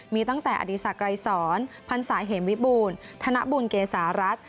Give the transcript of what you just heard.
มีตั้งแต่อดีศักดรายสอนพันศาเหมวิบูรณ์ธนบุญเกษารัฐ